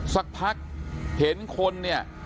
สักพักเห็นคนเนี่ย